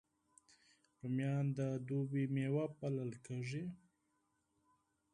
رومیان د دوبي میوه بلل کېږي